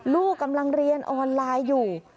ลูกกำลังเรียนออนไลน์อยู่